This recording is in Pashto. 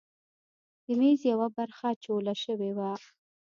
د میز یوه برخه چوله شوې وه.